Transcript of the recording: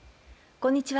こんにちは。